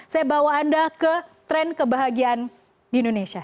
saya bawa anda ke tren kebahagiaan di indonesia